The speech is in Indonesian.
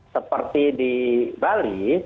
seperti di bali